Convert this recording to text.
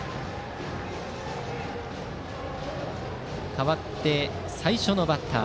代わって最初のバッター。